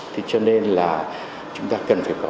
thế cho nên là chúng ta cần phải có